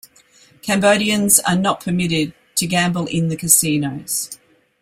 Cambodians are not permitted to gamble in the casinos.